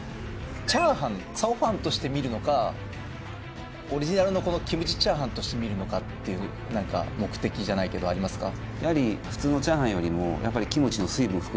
炒飯チャオファンとして見るのかオリジナルのこのキムチ炒飯として見るのかっていう何か目的じゃないけどありますか？